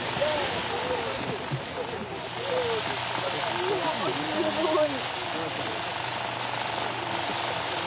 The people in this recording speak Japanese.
おおすごい。